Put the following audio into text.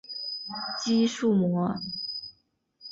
肌束膜。